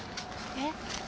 え？